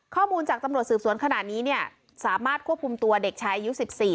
ข้อมูลจากตำรวจสืบสวนขนาดนี้เนี่ยสามารถควบคุมตัวเด็กชายอายุ๑๔